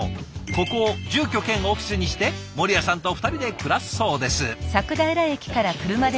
ここを住居兼オフィスにして守屋さんと２人で暮らすそうです。